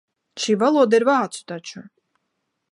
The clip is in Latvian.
Šī valoda ir vācu taču.